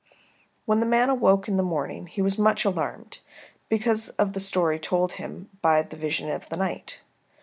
When the man awoke in the morning he was much alarmed because of the story told him by the vision of the night.